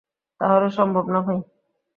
তাহলে সম্ভব না, ভাই।